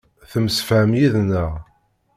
Temsefham yid-neɣ.